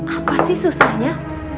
apa sih susahnya